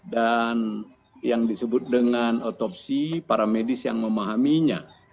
dan yang disebut dengan otopsi para medis yang memahaminya